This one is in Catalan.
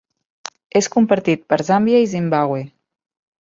És compartit per Zàmbia i Zimbàbue.